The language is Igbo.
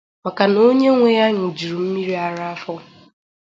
Maka na onye nwe ya ñụjùrù mmiri ara afọ